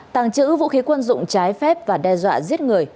tàng trữ vũ khí quân dụng trái phép và đe dọa giết người